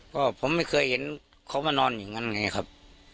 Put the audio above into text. ก็ผมไม่เคยเห็นเขามานอนอย่างนั้นไงครับ